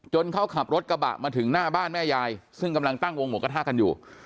เขาขับรถกระบะมาถึงหน้าบ้านแม่ยายซึ่งกำลังตั้งวงหมูกระทะกันอยู่